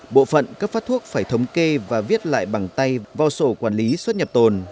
bộ phận cấp phát thuốc phải thống kê và viết lại bằng tay vào sổ quản lý xuất nhập tồn